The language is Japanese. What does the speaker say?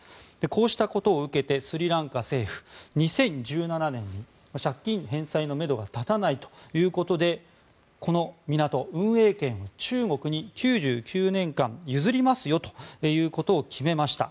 こうしたことを受けてスリランカ政府、２０１７年に借金返済のめどが立たないということでこの港、運営権を中国に９９年間譲りますよということを決めました。